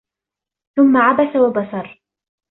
ثُمَّ عَبَسَ وَبَسَرَ